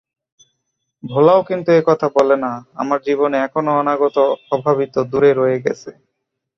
ভোলাও কিন্তু এ-কথা বলো না আমার জীবনে এখনও অনাগত অভাবিত দূরে রয়ে গেছে।